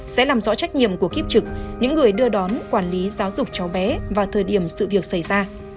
sẽ làm rõ trách nhiệm của kiếp trực những người đưa đón quản lý giáo dục cháu bé vào thời điểm sự việc xảy ra